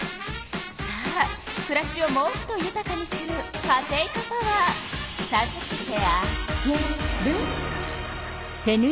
さあくらしをもっとゆたかにするカテイカパワーさずけてあげる。